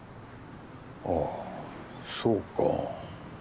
ああそうか。